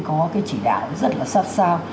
có cái chỉ đạo rất là sắp sao